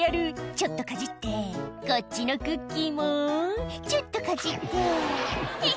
「ちょっとかじってこっちのクッキーもちょっとかじってヘッヘ」